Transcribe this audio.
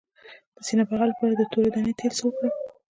د سینې بغل لپاره د تورې دانې تېل څه کړم؟